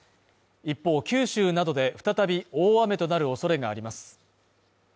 一方九州などで再び大雨となるおそれがあります。